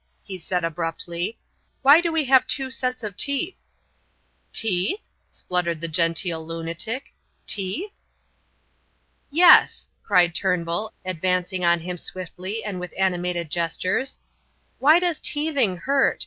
he said, abruptly, "why do we have two sets of teeth?" "Teeth?" spluttered the genteel lunatic; "teeth?" "Yes," cried Turnbull, advancing on him swiftly and with animated gestures, "why does teething hurt?